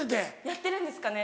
やってるんですかね